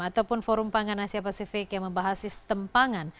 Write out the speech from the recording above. ataupun forum pangan asia pasifik yang membahas sistem pangan